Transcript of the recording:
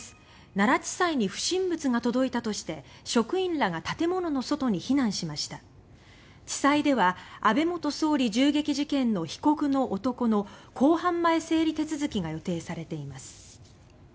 奈良地裁に不審物が届いたとして職員らが建物の外に避難しました地裁では安倍元総理銃撃事件の被告の男の公判前整理手続きが予定されています。